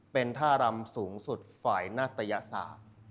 เป็นท่ารำสูงสุดฝ่ายนัตยศาสตร์